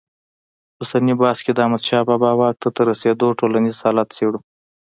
اوسني بحث کې د احمدشاه بابا واک ته تر رسېدو ټولنیز حالت څېړو.